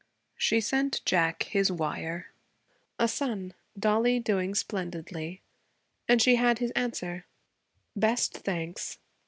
She sent Jack his wire: 'A son. Dollie doing splendidly.' And she had his answer: 'Best thanks.